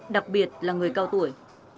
đặc biệt là người cao tuổi